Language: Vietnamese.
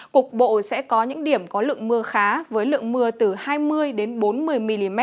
cục bộ sẽ có những điểm có lượng mưa khá với lượng mưa từ hai mươi bốn mươi mm